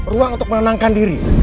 ruang untuk menenangkan diri